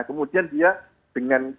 kemudian dia dengan